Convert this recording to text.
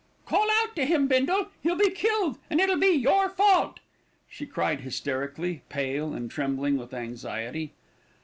"Call out to him, Bindle. He'll be killed, and it'll be your fault," she cried hysterically, pale and trembling with anxiety.